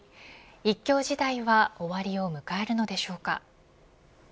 一強時代は終わりを迎えるのでしょうか。